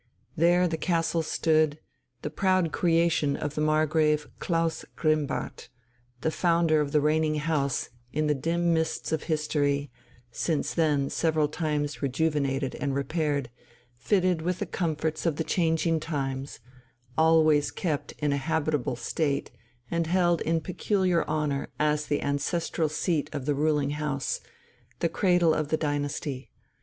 There the castle stood, the proud creation of the Margrave Klaus Grimmbart, the founder of the reigning house in the dim mists of history, since then several times rejuvenated and repaired, fitted with the comforts of the changing times, always kept in a habitable state and held in peculiar honour as the ancestral seat of the ruling house, the cradle of the dynasty.